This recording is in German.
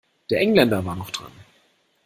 Der Engländer war noch dran.